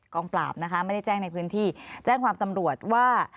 ปราบนะคะไม่ได้แจ้งในพื้นที่แจ้งความตำรวจว่า